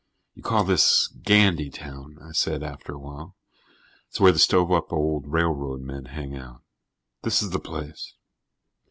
"You call this Gandytown," I said after a while. "It's where the stove up old railroad men hang out. This is the place."